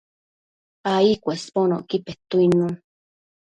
ai cuesbonocqui petuidnun